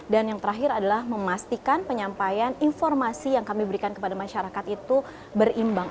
dan yang terakhir adalah memastikan penyampaian informasi yang kami berikan kepada masyarakat itu berimbang